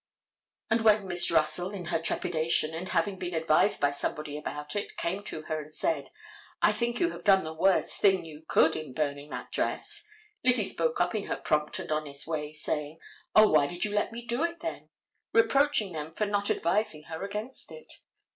And when Miss Russell, in her trepidation, and having been advised by somebody about it, came to her and said: "I think you have done the worst thing you could in burning that dress," Lizzie spoke up in her prompt and honest way, saying, "O, why did you let me do it, then?" reproaching them for not advising her against it.